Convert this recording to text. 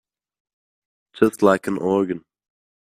Just like an organ.